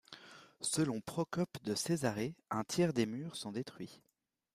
Selon Procope de Césarée, un tiers des murs sont détruits.